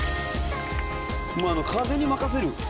もう風に任せる。